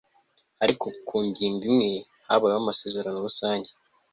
ariko ku ngingo imwe habaye amasezerano rusange